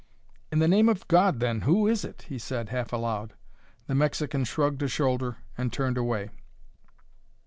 "In the name of God, then, who is it?" he said, half aloud. The Mexican shrugged a shoulder and turned away.